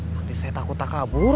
nanti saya takut tak kabur